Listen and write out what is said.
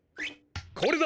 これだ。